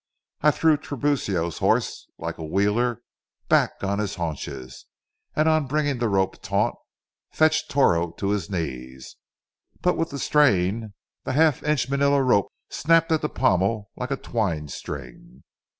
I threw Tiburcio's horse, like a wheeler, back on his haunches, and, on bringing the rope taut, fetched Toro to his knees; but with the strain the half inch manila rope snapped at the pommel like a twine string.